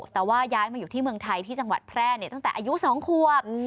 แต่ว่าย้ายมาอยู่ที่เมืองไทยที่จังหวัดแพร่ตั้งแต่อายุ๒ควบ